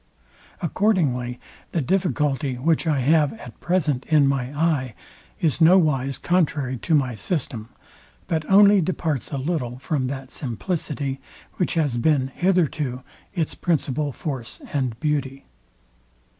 Accordingly the difficulty, which I have at present in my eye, is nowise contrary to my system; but only departs a little from that simplicity, which has been hitherto its principal force and beauty.